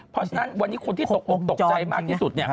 เพราะฉะนั้นวันนี้คนที่ตกออกตกใจมากที่สุด